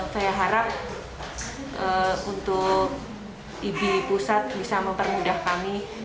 saya harap untuk ibi pusat bisa mempermudah kami